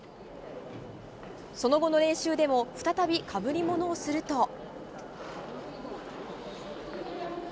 その後の練習でも再び被り物をすると。